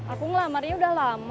aku ngelamarnya udah lama